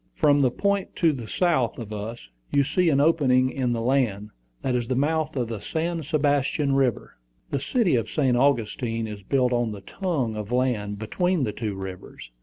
"From the point to the south of us, you see an opening in the land: that is the mouth of the San Sebastian River. The city of St. Augustine is built on the tongue of land between the two rivers.